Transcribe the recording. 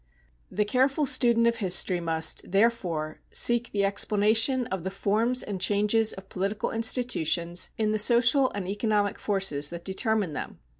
The careful student of history must, therefore, seek the explanation of the forms and changes of political institutions in the social and economic forces that determine them.